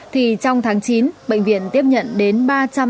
thì trong tháng chín bệnh viện tiếp nhận đến ba trăm tám mươi năm ca